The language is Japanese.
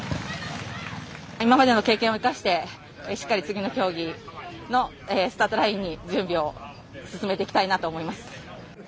今までの経験を生かしてしっかり次の競技スタートラインに準備を進めていきたいと思います。